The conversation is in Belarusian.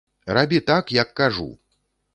Рабі так, як кажу.